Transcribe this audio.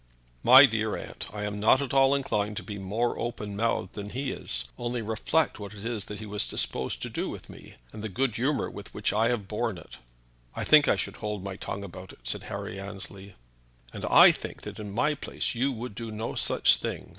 "My dear aunt, I am not at all inclined to be more open mouthed than he is. Only reflect what it was that he was disposed to do with me, and the good humor with which I have borne it!" "I think I should hold my tongue about it," said Harry Annesley. "And I think that in my place you would do no such thing.